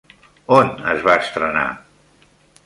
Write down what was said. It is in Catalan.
On es va estrenar?